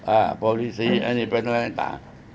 อ่าปอปูลิสต์ไอ้นี่เป็นอะไรต่าง